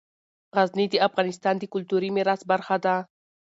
غزني د افغانستان د کلتوري میراث برخه ده.